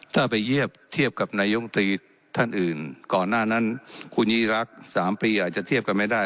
ถ้าไปเทียบเทียบกับนายกตรีท่านอื่นก่อนหน้านั้นคุณยิ่งรัก๓ปีอาจจะเทียบกันไม่ได้